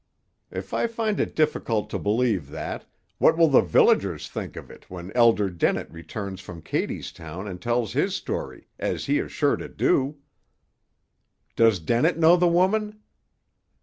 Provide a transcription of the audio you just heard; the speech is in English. "If I find it difficult to believe that, what will the villagers think of it when Elder Dennett returns from Cadystown and tells his story, as he is sure to do?" "Does Dennett know the woman?"